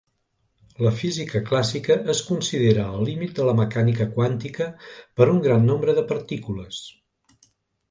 La física clàssica es considera el límit de la mecànica quàntica per a un gran nombre de partícules.